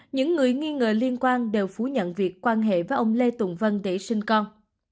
những người nghi ngờ liên quan đều phú nhận việc quan hệ với ông lê tùng vân để sinh con